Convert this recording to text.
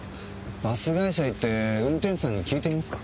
バス会社へ行って運転手さんに聞いてみますか？